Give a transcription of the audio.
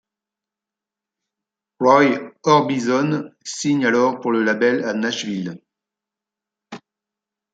Roy Orbison signe alors pour le label à Nashville.